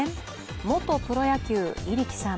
元プロ野球・入来さん